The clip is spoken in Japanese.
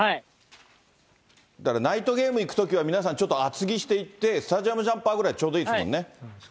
だからナイトゲーム行くときは、皆さんちょっと厚着していって、スタジアムジャンパーぐらいで、ちょうどいいですもんね。